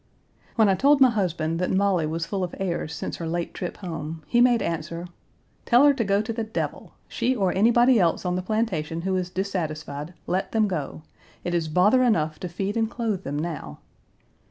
When I told my husband that Molly was full of airs since her late trip home, he made answer: "Tell her to go to the devil she or anybody else on the plantation who is dissatisfied; let them go. It is bother enough to feed and clothe them now."